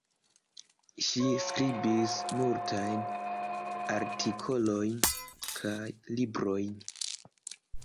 Ŝi skribis multajn artikolojn kaj librojn.